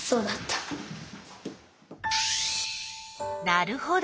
なるほど。